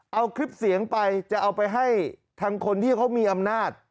เอาคลิปเสียงไปจะเอาไปให้ทางคนที่เขามีอำนาจ